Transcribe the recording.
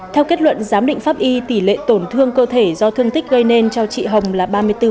theo kết luận giám định pháp y tỷ lệ tổn thương cơ thể do thương tích gây nên cho chị hồng là ba mươi bốn